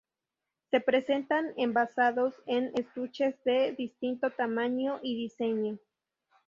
Se presentan envasados en estuches de distinto tamaño y diseño.